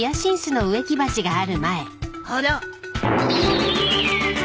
あら？